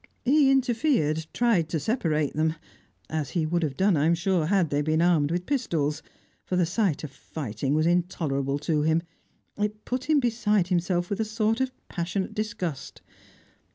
He interfered, tried to separate them as he would have done, I am sure, had they been armed with pistols, for the sight of fighting was intolerable to him, it put him beside himself with a sort of passionate disgust.